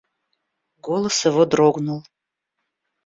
Голос его дрогнул.